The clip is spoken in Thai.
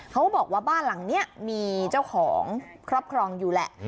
เขาบอกว่าบ้านหลังนี้มีเจ้าของครอบครองอยู่แหละ